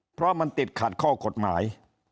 เพราะมันติดขัดข้อกฎหมาย